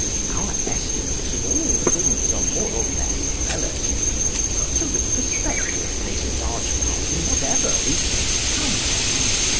Our estimates of all things are more or less relative, so that perspective plays a large part in whatever we take account of.